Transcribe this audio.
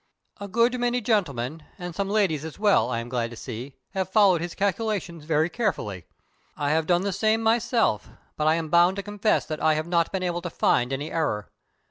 A good many gentlemen, and some ladies as well, I am glad to see, have followed his calculations very carefully. I have done the same myself, but I am bound to confess that I have not been able to find any error.